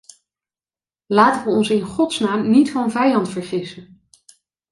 Laten we ons in godsnaam niet van vijand vergissen.